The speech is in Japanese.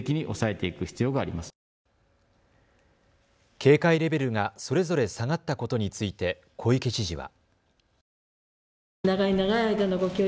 警戒レベルがそれぞれ下がったことについて小池知事は。